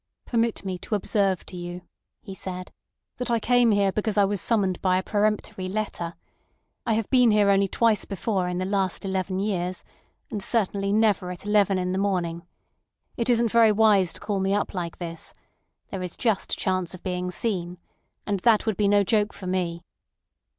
"Permit me to observe to you," he said, "that I came here because I was summoned by a peremptory letter. I have been here only twice before in the last eleven years, and certainly never at eleven in the morning. It isn't very wise to call me up like this. There is just a chance of being seen. And that would be no joke for me."